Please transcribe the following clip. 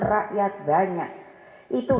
rakyat banyak itu